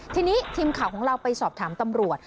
ทีนี้ทีมข่าวของเราไปสอบถามตำรวจ